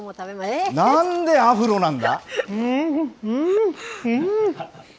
なんでアフロなんだ？